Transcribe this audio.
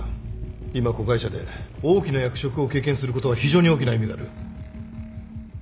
今子会社で大きな役職を経験することは非常に大きな意味がある